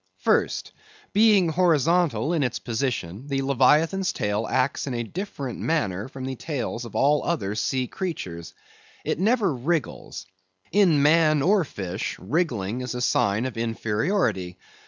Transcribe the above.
First: Being horizontal in its position, the Leviathan's tail acts in a different manner from the tails of all other sea creatures. It never wriggles. In man or fish, wriggling is a sign of inferiority.